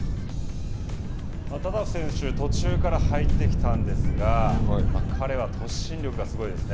タタフ選手は途中から入ってきたんですが彼は突進力がすごいですね。